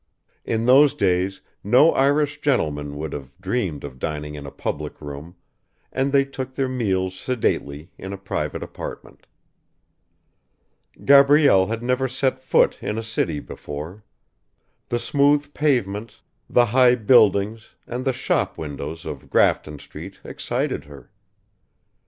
In those days no Irish gentleman would have dreamed of dining in a public room, and they took their meals sedately in a private apartment. Gabrielle had never set foot in a city before. The smooth pavements, the high buildings and the shop windows of Grafton Street excited her.